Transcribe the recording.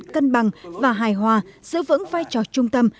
cân bằng và hài hòa giữ vững vai trò trung tâm